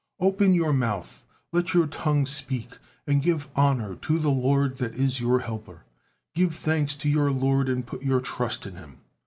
Open your mouth, let your tongue speak, and give honor to the Lord that is your Helper, give thanks to your Lord and put your trust in Him.